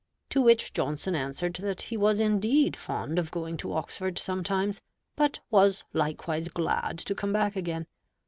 To which Johnson answered that he was indeed fond of going to Oxford sometimes, but was likewise glad to come back again.